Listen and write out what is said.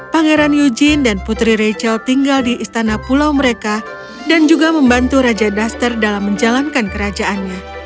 pangeran yujin dan putri rachel tinggal di istana pulau mereka dan juga membantu raja duster dalam menjalankan kerajaannya